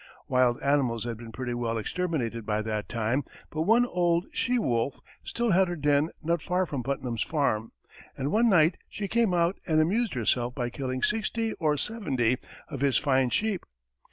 Wild animals had been pretty well exterminated by that time, but one old she wolf still had her den not far from Putnam's farm, and one night she came out and amused herself by killing sixty or seventy of his fine sheep.